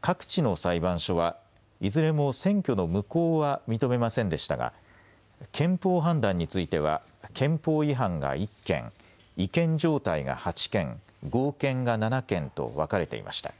各地の裁判所はいずれも選挙の無効は認めませんでしたが憲法判断については憲法違反が１件、違憲状態が８件、合憲が７件と分かれていました。